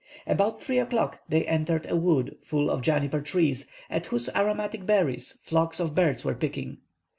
About 3 o'clock they entered a wood full of juniper trees, at whose aromatic berries flocks of birds were pecking.